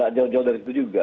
gak jauh jauh dari itu juga